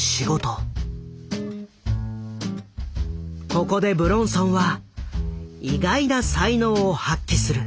ここで武論尊は意外な才能を発揮する。